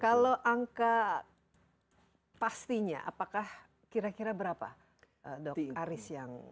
kalau angka pastinya apakah kira kira berapa dok aris yang